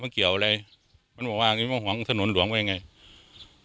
มันเกี่ยวอะไรมันบอกว่ามันหวังถนนหลวงว่าอย่างเงี้ย